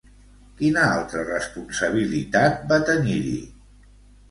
Quina altra responsabilitat va tenir-hi?